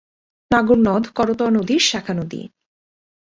নাগর নদ করতোয়া নদীর শাখা নদী।